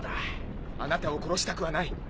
あなたを殺したくはない。